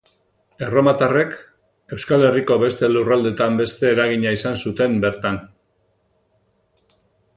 Erromatarrek Euskal Herriko beste lurraldetan beste eragina izan zuten bertan.